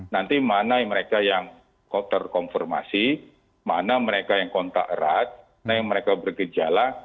nanti mana mereka yang terkonfirmasi mana mereka yang kontak erat mana yang mereka bergejala